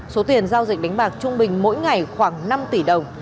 số tiền giao dịch đánh bạc trung bình mỗi ngày khoảng năm tỷ đồng